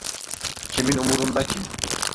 Kimin umurunda ki?